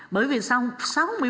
bởi vì sao